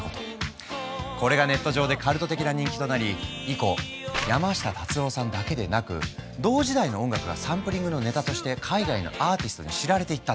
これがネット上でカルト的な人気となり以降山下達郎さんだけでなく同時代の音楽がサンプリングのネタとして海外のアーティストに知られていったんだ。